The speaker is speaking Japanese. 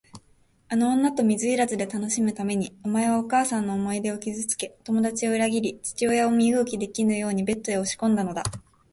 あの女と水入らずで楽しむために、お前はお母さんの思い出を傷つけ、友だちを裏切り、父親を身動きできぬようにベッドへ押しこんだのだ。